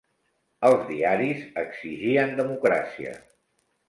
Els diaris exigien democràcia.